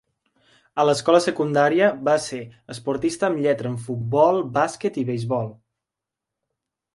A l'escola secundària, va ser esportista amb lletra en futbol, bàsquet i beisbol.